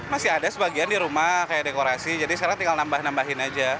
masih ada sebagian di rumah kayak dekorasi jadi sekarang tinggal nambah nambahin aja